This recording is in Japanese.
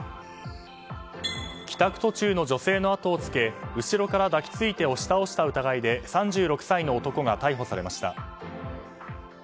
帰宅途中の女性のあとをつけ後ろから抱き付いて押し倒した疑いで３６歳の男が逮捕されました。